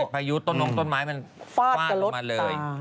พายุต้นต้นไม้มันฟาดลงมาเลย